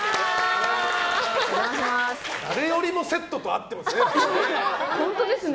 誰よりもセットと合ってますね。